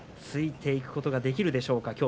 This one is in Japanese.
ついていくことができるでしょうか。